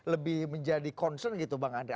lebih menjadi concern gitu bang andre